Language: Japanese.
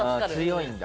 強いんだ。